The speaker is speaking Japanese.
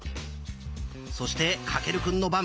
そして翔くんの番。